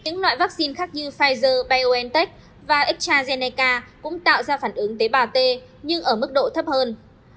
những loại vaccine khác như pfizer biontech và estrazeneca cũng tạo ra phản ứng tế bà t nhưng ở mức độ thấp hơn